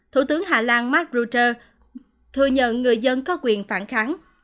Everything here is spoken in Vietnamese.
thủ tướng hà lan mark rutcher thừa nhận người dân có quyền phản kháng